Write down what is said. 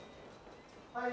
はい。